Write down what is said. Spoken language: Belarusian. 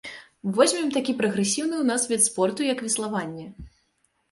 Возьмем такі прагрэсіўны ў нас від спорту, як веславанне.